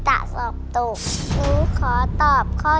ตัวเลือกที่สอง๘คน